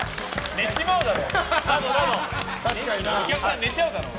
寝ちまうだろ！